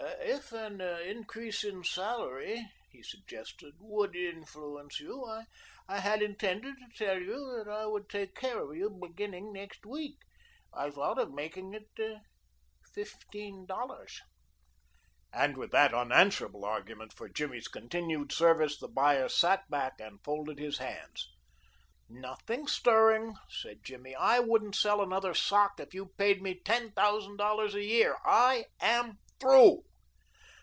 "If an increase in salary," he suggested, "would influence you, I had intended to tell you that I would take care of you beginning next week. I thought of making it fifteen dollars," and with that unanswerable argument for Jimmy's continued service the buyer sat back and folded his hands. "Nothing stirring," said Jimmy. "I wouldn't sell another sock if you paid me ten thousand dollars a year. I am through."